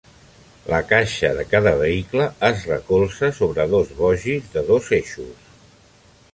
La caixa de cada vehicle es recolza sobre dos bogis de dos eixos.